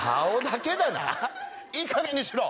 いいかげんにしろ。